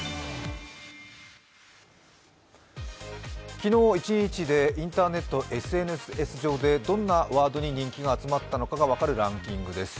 昨日、一日でインターネットＳＮＳ上でどんなワードに人気が集まったのかが分かるランキングです。